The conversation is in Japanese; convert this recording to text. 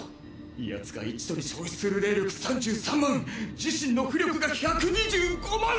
ヤツが一度に消費する霊力３３万自身の巫力が１２５万！